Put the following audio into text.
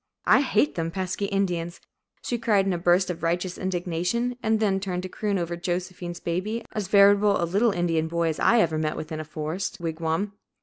"I hate them pesky Indians," she cried in a burst of righteous indignation, and then turned to croon over Josephine's baby, as veritable a "little Indian boy" as I ever met with in a forest wigwam.